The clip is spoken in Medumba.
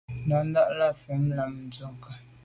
Ndà’ndà’ lα mfɛ̂l ὰm Ndʉ̂kə.